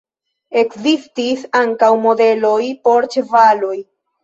Ekzistis ankaŭ modeloj por ĉevaloj.